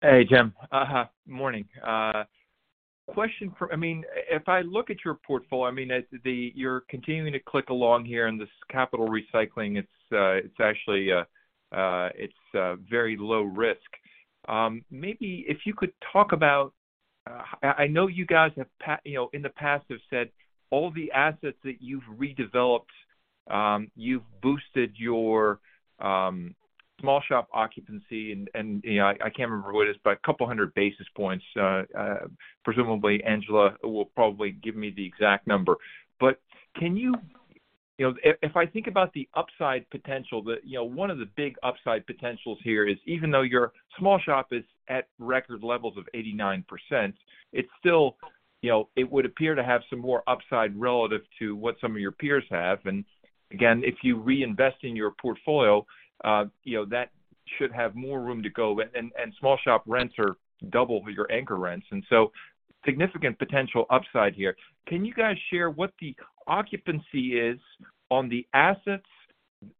Hey, Jim. Morning. I mean, if I look at your portfolio, I mean, you're continuing to click along here in this capital recycling, it's actually it's very low risk. Maybe if you could talk about, I know you guys have you know, in the past have said all the assets that you've redeveloped, you've boosted your small shop occupancy and, you know, I can't remember what it is, but a couple hundred basis points. Presumably, Angela will probably give me the exact number. Can you... You know, if I think about the upside potential that, you know, one of the big upside potentials here is even though your small shop is at record levels of 89%, it's still, you know, it would appear to have some more upside relative to what some of your peers have. Again, if you reinvest in your portfolio, you know, that should have more room to go. Small shop rents are double your anchor rents. Significant potential upside here. Can you guys share what the occupancy is on the assets,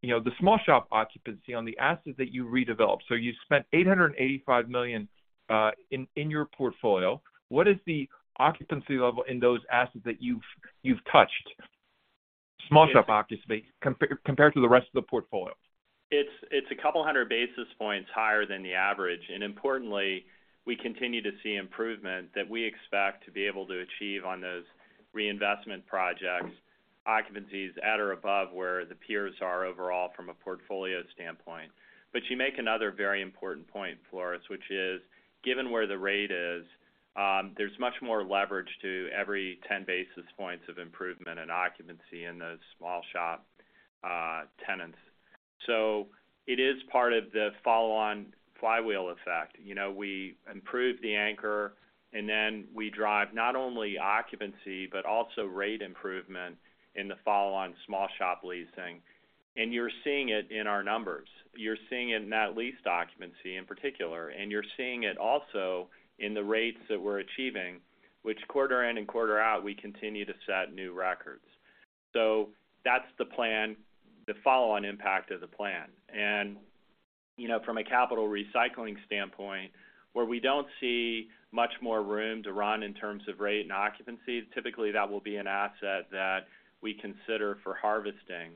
you know, the small shop occupancy on the assets that you redeveloped? You spent $885 million in your portfolio. What is the occupancy level in those assets that you've touched? Small shop occupancy compared to the rest of the portfolio. It's a couple hundred basis points higher than the average. Importantly, we continue to see improvement that we expect to be able to achieve on those reinvestment projects, occupancies at or above where the peers are overall from a portfolio standpoint. You make another very important point, Floris, which is, given where the rate is, there's much more leverage to every 10 basis points of improvement in occupancy in those small shop tenants. It is part of the follow-on flywheel effect. You know, we improve the anchor, and then we drive not only occupancy, but also rate improvement in the follow-on small shop leasing. You're seeing it in our numbers. You're seeing it in that lease occupancy in particular, and you're seeing it also in the rates that we're achieving, which quarter in and quarter out, we continue to set new records. That's the plan, the follow-on impact of the plan. You know, from a capital recycling standpoint, where we don't see much more room to run in terms of rate and occupancy, typically that will be an asset that we consider for harvesting,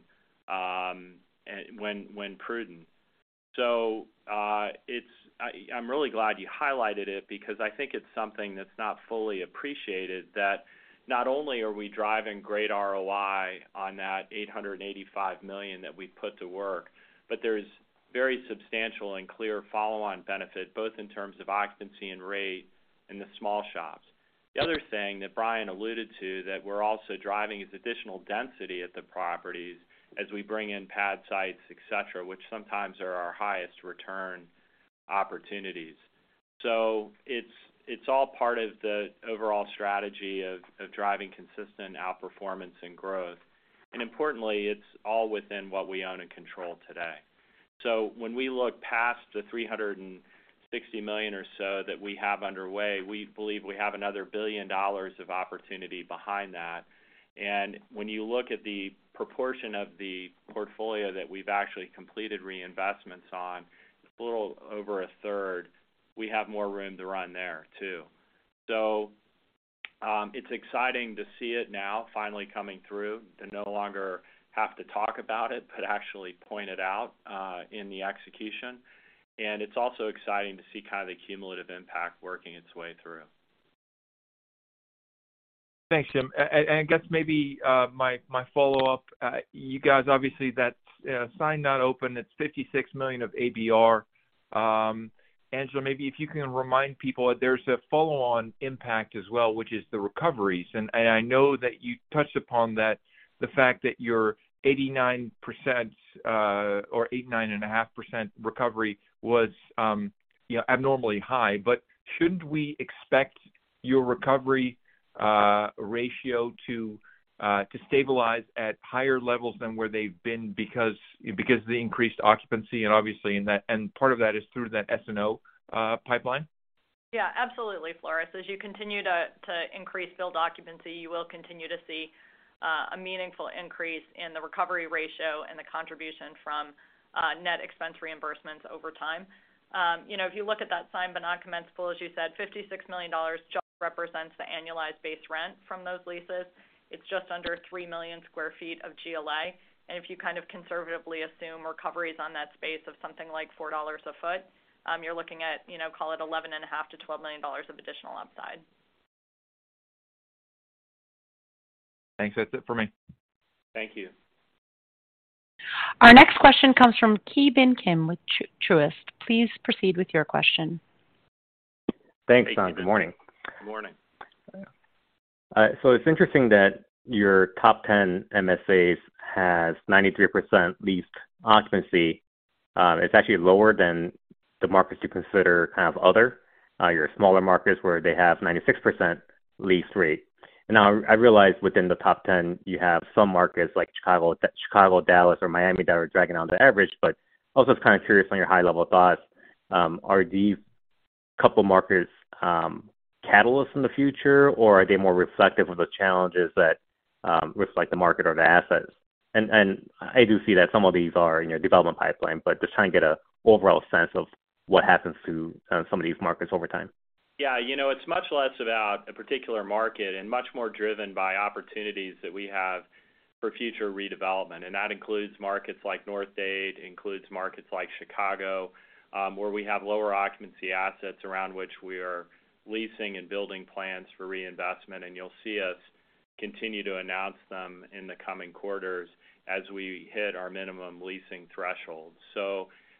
when prudent. I'm really glad you highlighted it because I think it's something that's not fully appreciated that not only are we driving great ROI on that $885 million that we put to work, but there's very substantial and clear follow-on benefit, both in terms of occupancy and rate in the small shops. The other thing that Brian alluded to that we're also driving is additional density at the properties as we bring in pad sites, et cetera, which sometimes are our highest return opportunities. It's all part of the overall strategy of driving consistent outperformance and growth. Importantly, it's all within what we own and control today. When we look past the $360 million or so that we have underway, we believe we have another $1 billion of opportunity behind that. When you look at the proportion of the portfolio that we've actually completed reinvestments on, it's a little over a third. We have more room to run there too. It's exciting to see it now finally coming through to no longer have to talk about it, but actually point it out in the execution. It's also exciting to see kind of the cumulative impact working its way through. Thanks, Jim. I guess maybe my follow-up. You guys, obviously that signed not open, it's $56 million of ABR. Angela, maybe if you can remind people that there's a follow-on impact as well, which is the recoveries. I know that you touched upon that, the fact that your 89%, or 89.5% recovery was, you know, abnormally high. Shouldn't we expect your recovery ratio to stabilize at higher levels than where they've been because of the increased occupancy and obviously part of that is through that SNO pipeline? Absolutely, Floris. As you continue to increase build occupancy, you will continue to see a meaningful increase in the recovery ratio and the contribution from net expense reimbursements over time. You know, if you look at that signed but not commensurable, as you said, $56 million just represents the annualized base rent from those leases. It's just under 3 million sq ft of GLA. If you kind of conservatively assume recoveries on that space of something like $4 a foot, you're looking at, you know, call it $11.5 million-$12 million of additional upside. Thanks. That's it for me. Thank you. Our next question comes from Ki Bin Kim with Truist. Please proceed with your question. Thanks, good morning. Good morning. All right. It's interesting that your top 10 MSAs has 93% leased occupancy. It's actually lower than the markets you consider kind of other, your smaller markets where they have 96% lease rate. Now I realize within the top 10 you have some markets like Chicago, Dallas, or Miami that are dragging on the average. Also kind of curious on your high-level thoughts, are these couple markets catalyst in the future, or are they more reflective of the challenges that reflect the market or the assets? I do see that some of these are in your development pipeline, but just trying to get an overall sense of what happens to some of these markets over time. Yeah. You know, it's much less about a particular market and much more driven by opportunities that we have for future redevelopment. That includes markets like North Dade, includes markets like Chicago, where we have lower occupancy assets around which we are leasing and building plans for reinvestment. You'll see us continue to announce them in the coming quarters as we hit our minimum leasing threshold.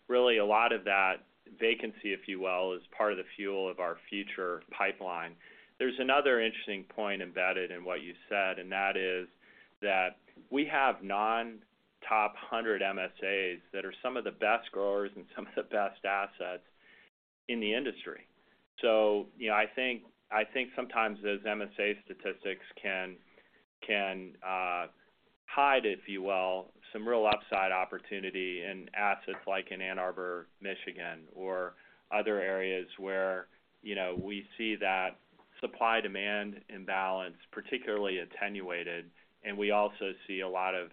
Really a lot of that vacancy, if you will, is part of the fuel of our future pipeline. There's another interesting point embedded in what you said, and that is that we have non-top 100 MSAs that are some of the best growers and some of the best assets in the industry. You know, I think sometimes those MSA statistics can hide, if you will, some real upside opportunity in assets like in Ann Arbor, Michigan, or other areas where, you know, we see that supply-demand imbalance particularly attenuated. We also see a lot of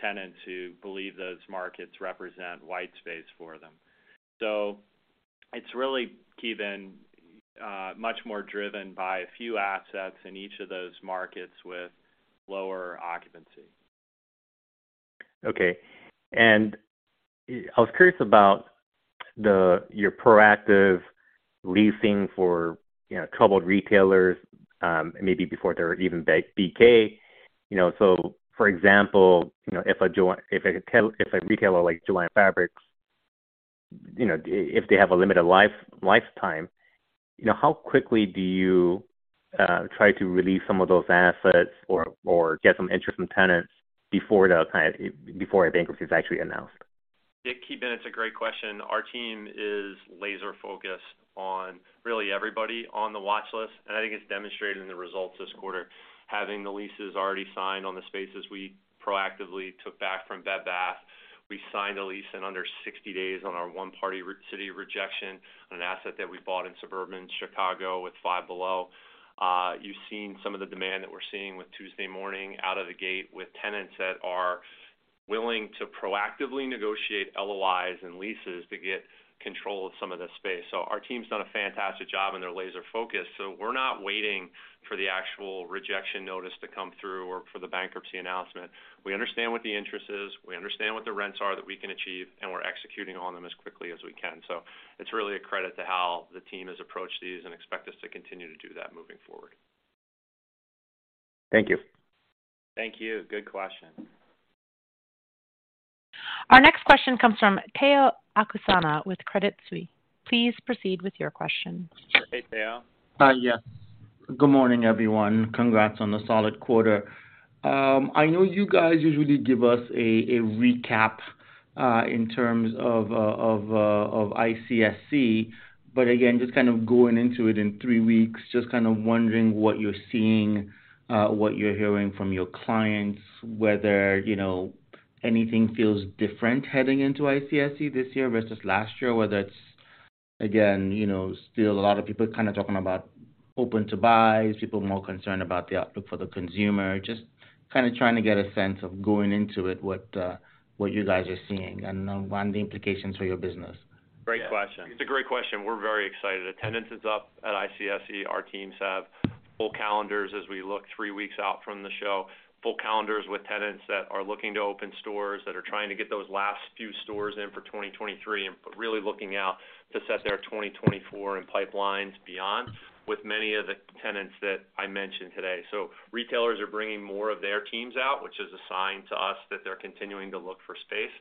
tenants who believe those markets represent white space for them. It's really, Ki Bin, much more driven by a few assets in each of those markets with lower occupancy. Okay. I was curious about your proactive leasing for, you know, troubled retailers, maybe before they're even BK, you know. For example, you know, if a retailer like Jo-Ann Fabrics, you know, if they have a limited lifetime, you know, how quickly do you try to release some of those assets or get some interest from tenants before a bankruptcy is actually announced? Yeah. Ki Bin, it's a great question. Our team is laser-focused on really everybody on the watch list, and I think it's demonstrated in the results this quarter. Having the leases already signed on the spaces we proactively took back from Bed Bath. We signed a lease in under 60 days on our one Party City rejection on an asset that we bought in suburban Chicago with Five Below. You've seen some of the demand that we're seeing with Tuesday Morning out of the gate with tenants that are willing to proactively negotiate LOIs and leases to get control of some of the space. Our team's done a fantastic job, and they're laser-focused. We're not waiting for the actual rejection notice to come through or for the bankruptcy announcement. We understand what the interest is, we understand what the rents are that we can achieve, and we're executing on them as quickly as we can. It's really a credit to how the team has approached these and expect us to continue to do that moving forward. Thank you. Thank you. Good question. Our next question comes from Tayo Okusanya with Credit Suisse. Please proceed with your question. Hey, Tayo. Hi. Yes. Good morning, everyone. Congrats on the solid quarter. I know you guys usually give us a recap in terms of ICSC, but again, just kind of going into it in three weeks, just kind of wondering what you're seeing, what you're hearing from your clients, whether, you know, anything feels different heading into ICSC this year versus last year, whether it's again, you know, still a lot of people kind of talking about open to buys, people more concerned about the outlook for the consumer. Just kind of trying to get a sense of going into it, what you guys are seeing and what the implications for your business? Great question. It's a great question. We're very excited. Attendance is up at ICSC. Our teams have full calendars as we look three weeks out from the show. Full calendars with tenants that are looking to open stores, that are trying to get those last few stores in for 2023, but really looking out to set their 2024 and pipelines beyond with many of the tenants that I mentioned today. Retailers are bringing more of their teams out, which is a sign to us that they're continuing to look for space.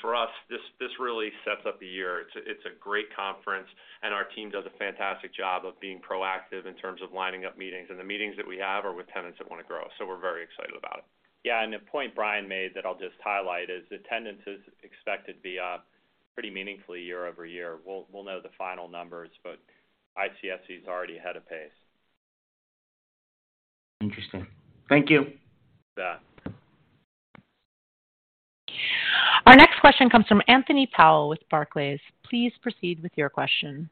For us, this really sets up the year. It's a great conference, and our team does a fantastic job of being proactive in terms of lining up meetings. The meetings that we have are with tenants that want to grow. We're very excited about it. Yeah. The point Brian made that I'll just highlight is attendance is expected to be up pretty meaningfully year-over-year. We'll know the final numbers. ICSC is already ahead of pace. Interesting. Thank you. Yeah. Our next question comes from Anthony Powell with Barclays. Please proceed with your question.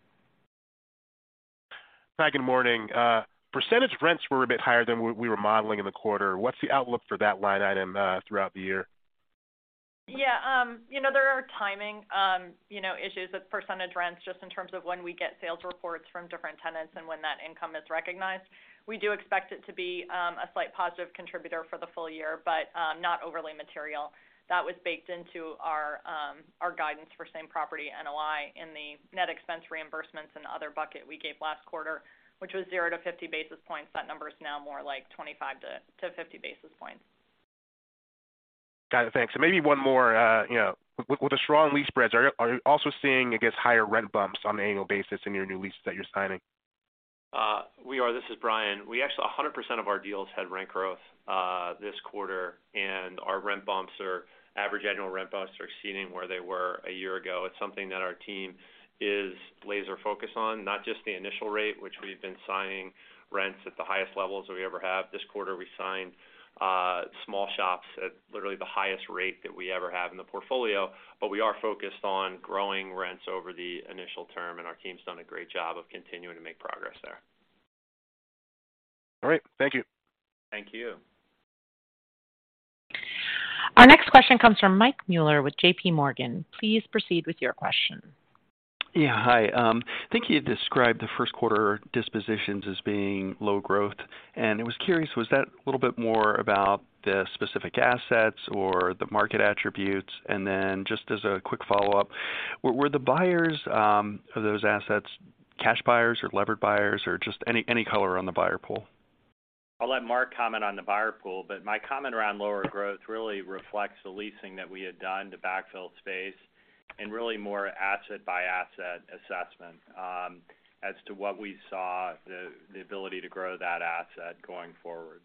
Hi, good morning. Percentage rents were a bit higher than we were modeling in the quarter. What's the outlook for that line item, throughout the year? You know, there are timing, you know, issues with percentage rents just in terms of when we get sales reports from different tenants and when that income is recognized. We do expect it to be a slight positive contributor for the full-year, but not overly material. That was baked into our guidance for same property NOI in the net expense reimbursements and other bucket we gave last quarter, which was 0-50 basis points. That number is now more like 25-50 basis points. Got it. Thanks. Maybe one more, you know, with the strong lease spreads, are you also seeing, I guess, higher rent bumps on an annual basis in your new leases that you're signing? We are. This is Brian. We actually 100% of our deals had rent growth this quarter, and average annual rent bumps are exceeding where they were a year ago. It's something that our team is laser focused on, not just the initial rate, which we've been signing rents at the highest levels that we ever have. This quarter, we signed small shops at literally the highest rate that we ever have in the portfolio. We are focused on growing rents over the initial term, and our team's done a great job of continuing to make progress there. All right. Thank you. Thank you. Our next question comes from Mike Mueller with JPMorgan. Please proceed with your question. Yeah. Hi. I think you described the first quarter dispositions as being low growth. I was curious, was that a little bit more about the specific assets or the market attributes? Then just as a quick follow-up, were the buyers of those assets cash buyers or levered buyers, or just any color on the buyer pool? I'll let Mark comment on the buyer pool, but my comment around lower growth really reflects the leasing that we had done to backfill space and really more asset-by-asset assessment, as to what we saw the ability to grow that asset going forward.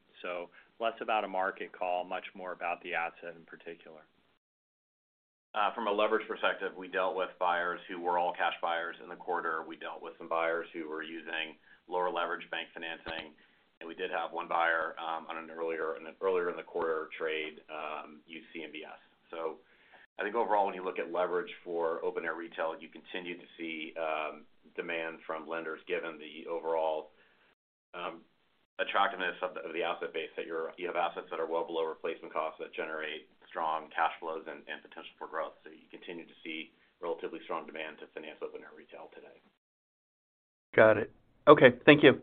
Less about a market call, much more about the asset in particular. From a leverage perspective, we dealt with buyers who were all cash buyers in the quarter. We dealt with some buyers who were using lower leverage bank financing, and we did have 1 buyer, on an earlier, on an earlier in the quarter trade, use CMBS. I think overall, when you look at leverage for open-air retail, you continue to see demand from lenders given the overall attractiveness of the asset base that you have assets that are well below replacement costs that generate strong cash flows and potential for growth. You continue to see relatively strong demand to finance open-air retail today. Got it. Okay. Thank you.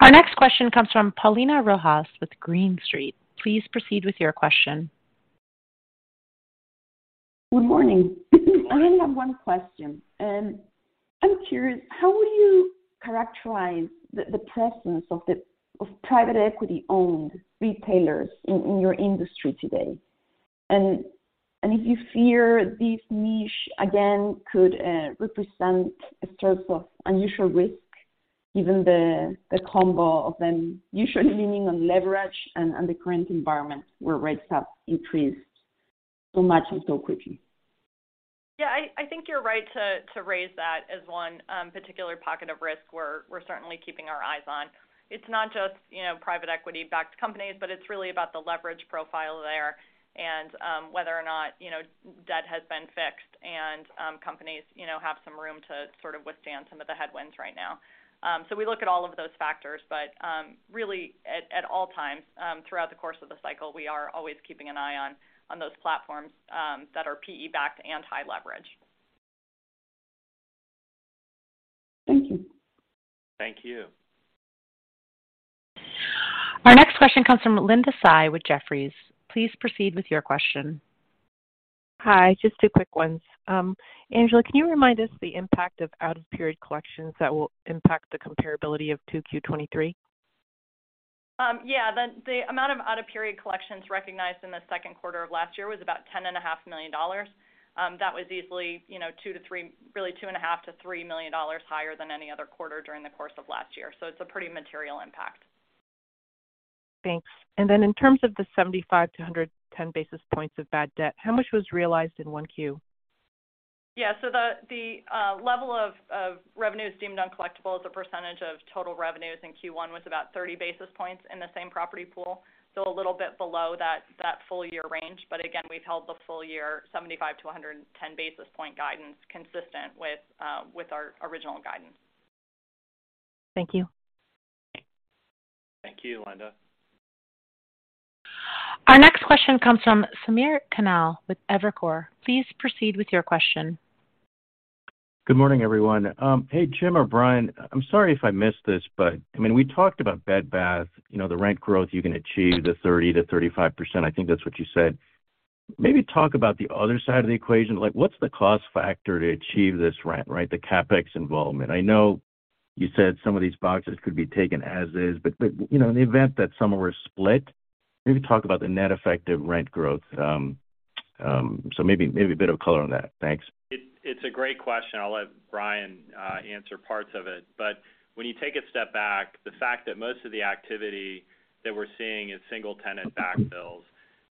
Our next question comes from Paulina Rojas with Green Street. Please proceed with your question. Good morning. I only have one question, and I'm curious, how would you characterize the presence of the private equity-owned retailers in your industry today? If you fear this niche again could represent a source of unusual risk, given the combo of them usually leaning on leverage and on the current environment where rates have increased so much and so quickly. I think you're right to raise that as one particular pocket of risk we're certainly keeping our eyes on. It's not just, you know, private equity-backed companies, but it's really about the leverage profile there and whether or not, you know, debt has been fixed and companies, you know, have some room to sort of withstand some of the headwinds right now. We look at all of those factors, but really at all times throughout the course of the cycle, we are always keeping an eye on those platforms that are PE-backed and high leverage. Thank you. Thank you. Our next question comes from Linda Tsai with Jefferies. Please proceed with your question. Hi, just two quick ones. Angela, can you remind us the impact of out-of-period collections that will impact the comparability of 2Q 2023? Yeah. The amount of out-of-period collections recognized in the second quarter of last year was about $10 and a half million dollars. That was easily, you know, really 2 and a half to 3 million dollars higher than any other quarter during the course of last year. It's a pretty material impact. Thanks. Then in terms of the 75-110 basis points of bad debt, how much was realized in 1Q? The level of revenues deemed uncollectible as a percentage of total revenues in Q1 was about 30 basis points in the same property pool, a little bit below that full-year range. Again, we've held the full-year 75-110 basis point guidance consistent with our original guidance. Thank you. Thank you, Linda. Our next question comes from Samir Khanal with Evercore. Please proceed with your question. Good morning, everyone. Hey, Jim or Brian, I'm sorry if I missed this, I mean, we talked about Bed Bath, you know, the rent growth you can achieve, the 30%-35%. I think that's what you said. Maybe talk about the other side of the equation. Like, what's the cost factor to achieve this rent, right? The CapEx involvement. I know you said some of these boxes could be taken as is, but, you know, in the event that some were split, maybe talk about the net effect of rent growth. Maybe a bit of color on that. Thanks. It's a great question. I'll let Brian answer parts of it. When you take a step back, the fact that most of the activity that we're seeing is single tenant backfills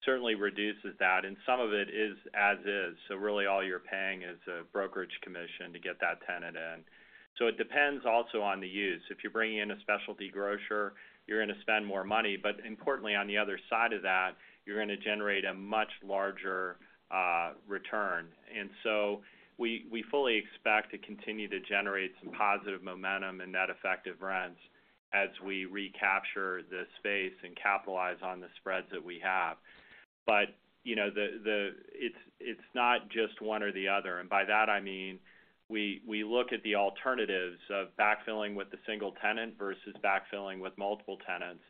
certainly reduces that, and some of it is as is. Really all you're paying is a brokerage commission to get that tenant in. It depends also on the use. If you're bringing in a specialty grocer, you're gonna spend more money. Importantly, on the other side of that, you're gonna generate a much larger return. We fully expect to continue to generate some positive momentum and net effective rents as we recapture the space and capitalize on the spreads that we have. You know, it's not just one or the other. By that I mean we look at the alternatives of backfilling with the single tenant versus backfilling with multiple tenants,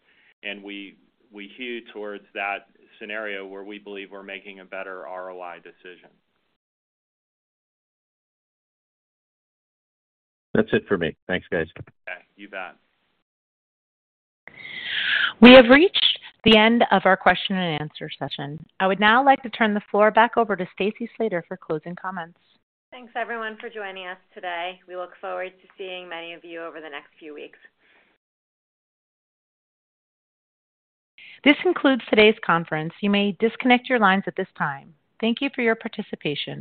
and we hew towards that scenario where we believe we're making a better ROI decision. That's it for me. Thanks, guys. Okay, you bet. We have reached the end of our question-and-answer session. I would now like to turn the floor back over to Stacy Slater for closing comments. Thanks, everyone, for joining us today. We look forward to seeing many of you over the next few weeks. This concludes today's conference. You may disconnect your lines at this time. Thank you for your participation.